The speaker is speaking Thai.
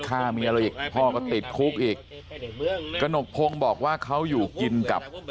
ฆ่าเมียเราอีกพ่อก็ติดคุกอีกกระหนกพงศ์บอกว่าเขาอยู่กินกับ